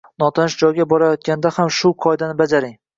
Notanish joyga borayotganda ham shu qoidani bajaring.